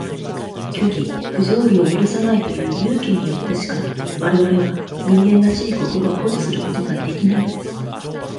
虚偽、不条理を許さないという勇気によってしか、我々は、人間らしい心を保持することができないのです。